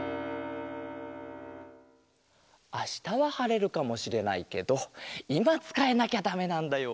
あしたははれるかもしれないけどいまつかえなきゃだめなんだよ